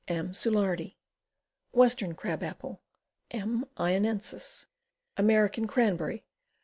M. Soulardi. Western Crab Apple. M. loensis. American Cranberry.